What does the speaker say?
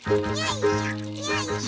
よいしょ。